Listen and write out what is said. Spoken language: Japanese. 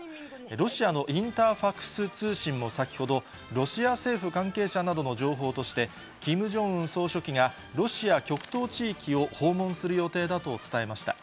ロシアのインターファクス通信も先ほど、ロシア政府関係者などの情報として、キム・ジョンウン総書記がロシア極東地域を訪問する予定だと伝えました。